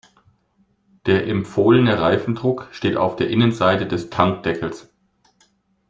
Der empfohlene Reifendruck steht auf der Innenseite des Tankdeckels.